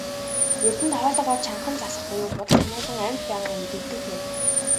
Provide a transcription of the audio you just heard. Урьд нь хоолойгоо чангахан засах буюу худал ханиалган амьд байгаагаа мэдэгддэг байв.